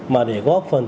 mà để góp phần